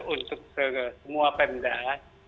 untuk semua pemda